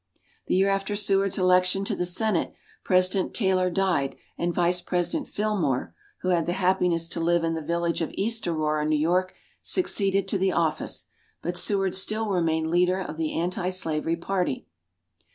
The year after Seward's election to the Senate, President Taylor died and Vice President Fillmore (who had the happiness to live in the village of East Aurora, New York) succeeded to the office, but Seward still remained leader of the Anti Slavery Party.